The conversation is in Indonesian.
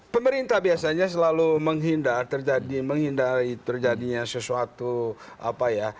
pemerintah biasanya selalu menghindar terjadi menghindari terjadinya sesuatu apa ya